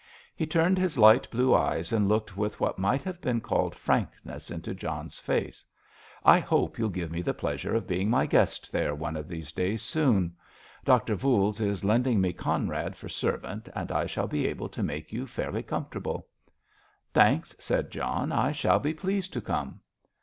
He turned his light blue eyes and looked with what might have been called frankness into John's face. "I hope you'll give me the pleasure of being my guest there one of these days soon. Doctor Voules is lending me Conrad for servant, and I shall be able to make you fairly comfortable." "Thanks," said John; "I shall be pleased to come."